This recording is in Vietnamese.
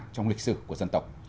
trong lịch sử của dân tộc